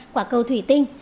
quả cầu thủy tinh